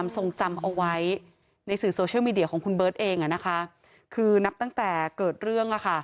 ทรงจำเอาไว้ในสื่อโซเชียลมีเดียของคุณเบิร์ตเองคือนับตั้งแต่เกิดเรื่อง